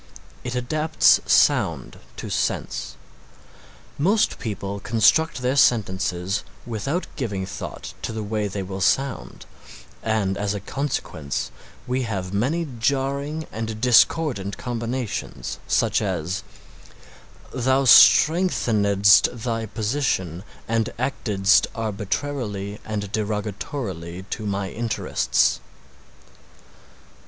It adapts sound to sense. Most people construct their sentences without giving thought to the way they will sound and as a consequence we have many jarring and discordant combinations such as "Thou strengthenedst thy position and actedst arbitrarily and derogatorily to my interests."